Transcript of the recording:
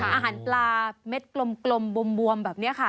อาหารปลาเม็ดกลมบวมแบบนี้ค่ะ